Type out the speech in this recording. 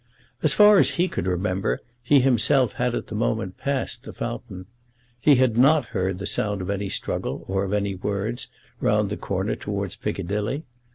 As far as he could remember, he himself had at the moment passed the fountain. He had not heard the sound of any struggle, or of words, round the corner towards Piccadilly.